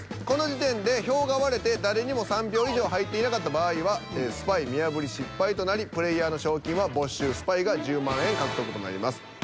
この時点で票が割れて誰にも３票以上入っていなかった場合はスパイ見破り失敗となりプレイヤーの賞金は没収スパイが１０万円獲得となります。